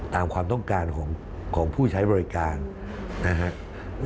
ตามความต้องการของผู้ใช้บริการนะครับ